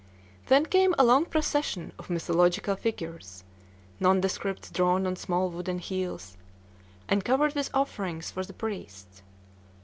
Then came a long procession of mythological figures, nondescripts drawn on small wooden wheels, and covered with offerings for the priests.